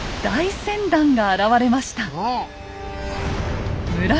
大船団が現れました。